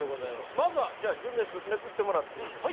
まずはじゃあ純烈めくってもらっていいですか。